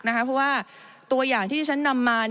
เพราะว่าตัวอย่างที่ที่ฉันนำมา